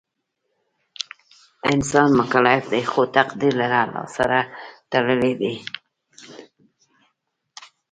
انسان مکلف دی خو تقدیر له الله سره تړلی دی.